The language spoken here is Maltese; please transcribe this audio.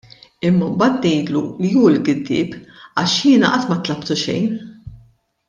Imma mbagħad ngħidlu li hu l-giddieb għax jiena qatt ma tlabtu xejn.